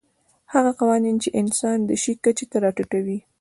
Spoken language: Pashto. هغه قوانین چې انسان د شي کچې ته راټیټوي.